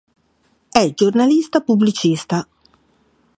È giornalista pubblicista.